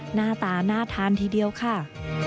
หน้าตาน่าทานทีเดียวค่ะ